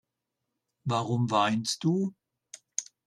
Warum weinst du?